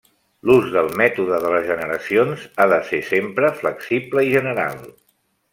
L'ús del mètode de les generacions ha de ser sempre flexible i general.